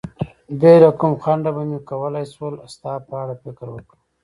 بې له کوم خنډه به مې کولای شول ستا په اړه فکر وکړم.